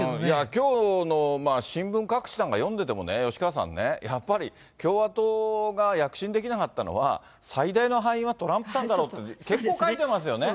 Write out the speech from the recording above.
きょうの新聞各紙なんか読んでてもね、吉川さんね、やっぱり共和党が躍進できなかったのは、最大の敗因はトランプさんだろうと、結構書いてますよね。